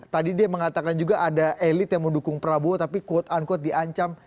tadi dia mengatakan juga ada elit yang mendukung prabowo tapi quote unquote diancam